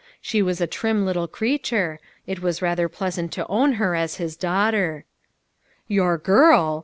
She was a trim little crea ture ; it was rather pleasant to own her as his daughter. " Your girl